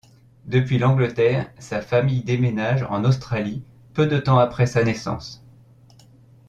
Depuis l'Angleterre, sa famille déménage en Australie peu de temps après sa naissance.